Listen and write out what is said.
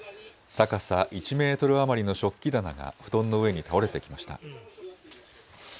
高さ１メートル余りの食器棚が布団の上に倒れてきました。